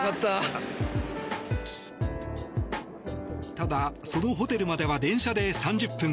ただ、そのホテルまでは電車で３０分。